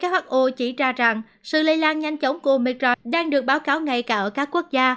who chỉ ra rằng sự lây lan nhanh chóng của micros đang được báo cáo ngay cả ở các quốc gia